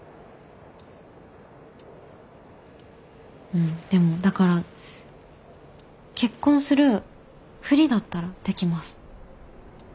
うんでもだから結婚するふりだったらできます。